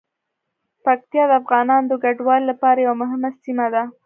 پکتیا د افغانانو د کډوالۍ لپاره یوه مهمه سیمه ده.